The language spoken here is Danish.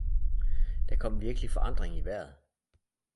Der kom virkelig forandring i vejret